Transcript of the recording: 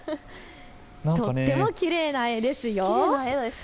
とってもきれいな絵ですよ。